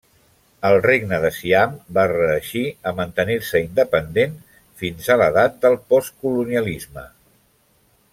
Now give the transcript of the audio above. El Regne de Siam va reeixir a mantenir-se independent fins a l'edat del postcolonialisme.